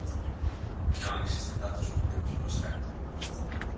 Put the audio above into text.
Non existen datos públicos ao respecto.